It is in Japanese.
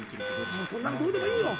「もうそんなのどうでもいいよ！」